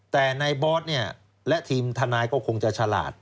แต่นายบอสและทีมธนายก็คงจะฉลาด